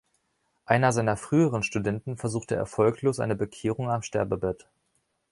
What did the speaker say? Einer seiner früheren Studenten versuchte erfolglos eine Bekehrung am Sterbebett.